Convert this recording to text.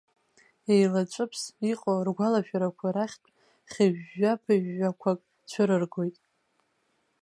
Еилаҵәыԥс иҟоу ргәалашәарақәа рахьтә, хьыжәжәа-ԥыжәжәақәак цәырыргоит.